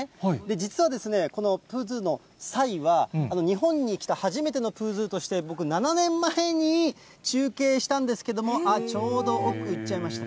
実はですね、このプーズーのサイは、日本に来た初めてのプーズーとして、僕、７年前に中継したんですけども、あっ、ちょうど奥行っちゃった。